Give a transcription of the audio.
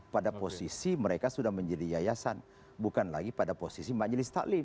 pada posisi mereka sudah menjadi yayasan bukan lagi pada posisi majelis taklim